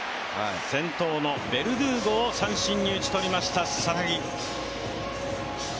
先頭のベルドゥーゴを三振に打ち取りました、佐々木。